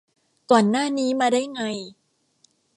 ก่อนหน้านี้มาได้ไง